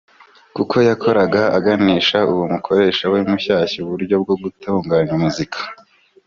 Kuko yakoraga anigisha uwo mukoresha we mushyashya uburyo bwo gutunganya muzika